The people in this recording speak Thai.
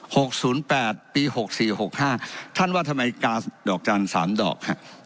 หกศูนย์แปดปีหกสี่หกห้าท่านว่าทำไมกาดอกจันทร์สามดอกฮะ